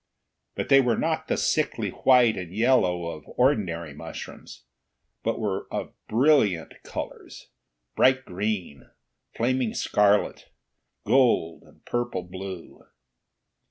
But they were not the sickly white and yellow of ordinary mushrooms, but were of brilliant colors, bright green, flaming scarlet, gold and purple blue.